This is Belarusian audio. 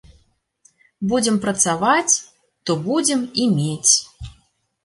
Будзем працаваць, то будзем і мець.